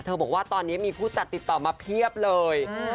บอกว่าตอนนี้มีผู้จัดติดต่อมาเพียบเลย